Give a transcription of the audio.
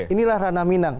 inilah ranah minang